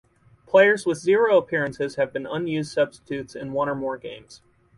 Players with zero appearances have been unused substitutes in one or more games.